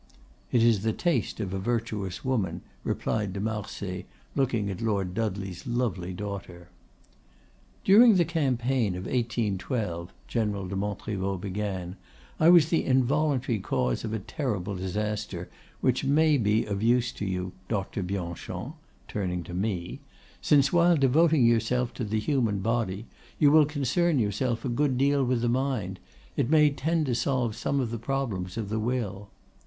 "It is the taste of a virtuous woman," replied de Marsay, looking at Lord Dudley's lovely daughter. "During the campaign of 1812," General de Montriveau began, "I was the involuntary cause of a terrible disaster which may be of use to you, Doctor Bianchon," turning to me, "since, while devoting yourself to the human body, you concern yourself a good deal with the mind; it may tend to solve some of the problems of the will.